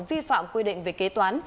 vi phạm quy định về kế toán